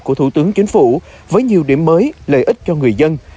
của thủ tướng chính phủ với nhiều điểm mới lợi ích cho người dân